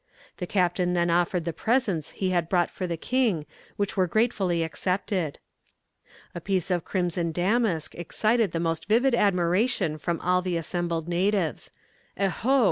The captain then offered the presents he had brought for the king which were gratefully accepted. A piece of crimson damask excited the most vivid admiration from all the assembled natives. 'Eho!